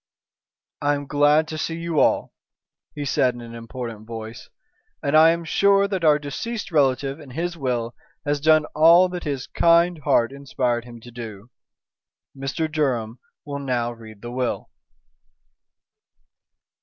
"I am glad to see you all," he said in an important voice, "and I am sure that our deceased relative in his will has done all that his kind heart inspired him to do. Mr. Durham will now read the will."